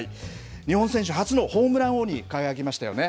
日本選手初のホームラン王に輝きましたよね。